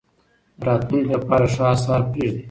د راتلونکي لپاره ښه اثار پرېږدئ.